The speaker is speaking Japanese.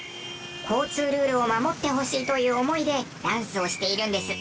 交通ルールを守ってほしいという思いでダンスをしているんです。